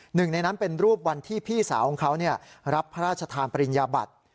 หนึ่งในนั้นเป็นรูปวันที่พี่สาวของเขารับพระราชทานปริญญาบัติ